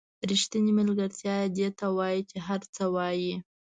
ریښتینې ملګرتیا دې ته وایي چې هر څه وایئ.